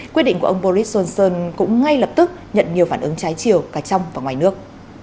quyết định của ông boris johnson cũng ngay lập tức nhận nhiều phản ứng trái chiều cả trong và ngoài nước